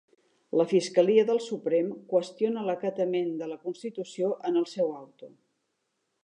La fiscalia del Suprem qüestiona l'acatament de la constitució en el seu auto